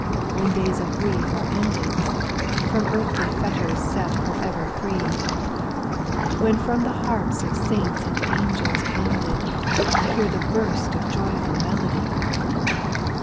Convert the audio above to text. when days of grief are ended, From earthly fetters set for ever free ; When from the harps of saints and angels blended, I hear the burst of joyful melody